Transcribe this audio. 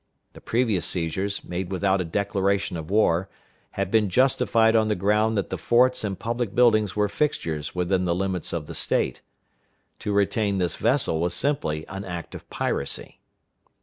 The previous seizures, made without a declaration of war, had been justified on the ground that the forts and public buildings were fixtures within the limits of the State. To retain this vessel was simply an act of piracy.